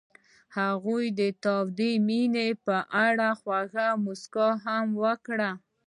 هغې د تاوده مینه په اړه خوږه موسکا هم وکړه.